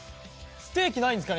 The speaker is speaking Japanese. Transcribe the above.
ステーキないんですかね？